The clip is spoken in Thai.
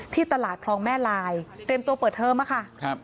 ตลาดคลองแม่ลายเตรียมตัวเปิดเทอมอะค่ะ